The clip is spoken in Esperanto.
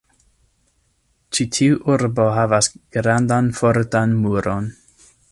Ĉi tiu urbo havas grandan fortan muron.